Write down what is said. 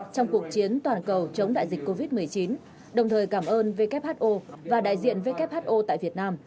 trong cuộc chiến toàn cầu chống đại dịch covid một mươi chín đồng thời cảm ơn who và đại diện who tại việt nam